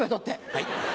はい。